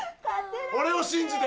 俺を信じて。